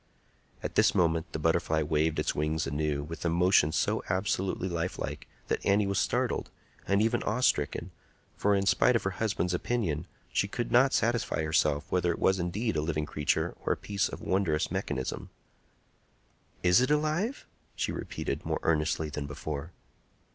At this moment the butterfly waved its wings anew, with a motion so absolutely lifelike that Annie was startled, and even awestricken; for, in spite of her husband's opinion, she could not satisfy herself whether it was indeed a living creature or a piece of wondrous mechanism. "Is it alive?" she repeated, more earnestly than before.